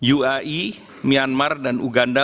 uae myanmar dan uganda